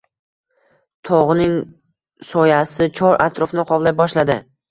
Tog‘ning soyasi chor-atrofni qoplay boshladi.